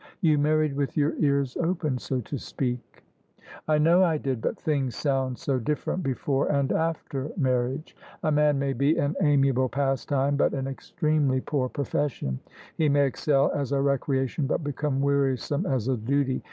You married with your ears open, so to speak." " I know I did : but things sound so different before and THE SUBJECTION after marriage. A man may be an admirable pastime but an extremely poor profession. He may excel as a recreation but become wearisome as a duty.